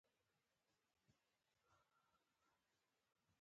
ټي ان ټي داسې باروت دي.